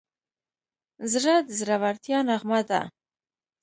زړه د زړورتیا نغمه ده.